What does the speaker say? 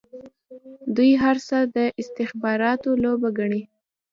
دوی هر څه د استخباراتو لوبه ګڼي.